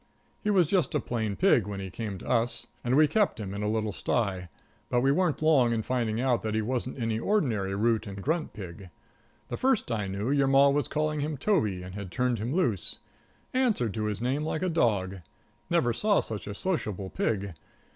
He was just a plain pig when he came to us, and we kept him in a little sty, but we weren't long in finding out that he wasn't any ordinary root and grunt pig. The first I knew your Ma was calling him Toby, and had turned him loose. Answered to his name like a dog. Never saw such a sociable pig.